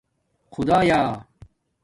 خُدایآ